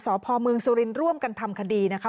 สพเมืองสุรินทร์ร่วมกันทำคดีนะคะ